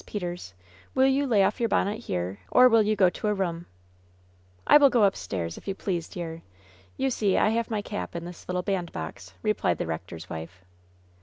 Peters^ will you lay oflf yoiir bonnet here, or will you go to a room ?'^ "I will go upstairs, if you please, dear. You see I have my cap in this little bandbox," replied the rector's wife.